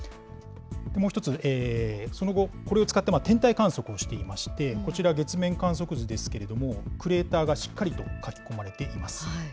もう一つ、その後、これを使って天体観測をしていまして、こちら月面観測図ですけれども、クレーターがしっかりと書き込まれています。